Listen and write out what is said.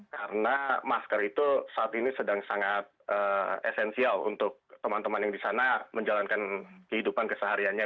karena masker itu saat ini sedang sangat esensial untuk teman teman yang di sana menjalankan kehidupan kesehariannya